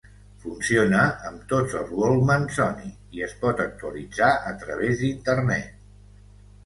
Funciona amb tots els walkman Sony i es pot actualitzar a través d'Internet.